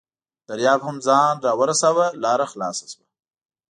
دریاب هم ځان راورساوه، لاره خلاصه شوه.